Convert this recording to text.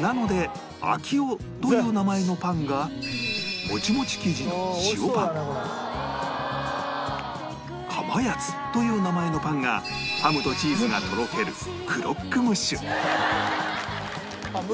なので顕夫という名前のパンがモチモチ生地のかまやつという名前のパンがハムとチーズがとろけるあっムッシュだから。